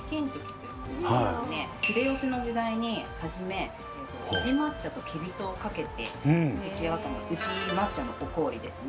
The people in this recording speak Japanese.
秀吉の時代にはじめ宇治抹茶ときび糖をかけて出来上がったのが宇治抹茶の御氷ですね。